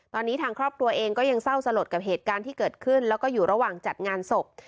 ตอนนี้ทางครอบครัวเองก็ยังเศร้าสลดกับเหตุการณ์ที่เกิดขึ้นแล้วก็อยู่ระหว่างจัดงานศพ